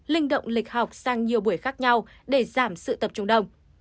linh động lịch học sang nhiều buổi khác nhau để giảm sự tập trung đông